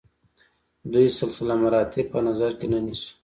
دوی سلسله مراتب په نظر کې نه نیسي.